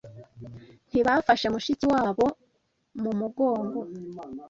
ntibafashe mushiki wa bo mu mugongo